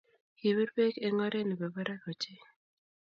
Kipir beek eng oree ne bo barak ochei.